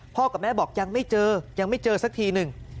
กับแม่บอกยังไม่เจอยังไม่เจอสักทีหนึ่ง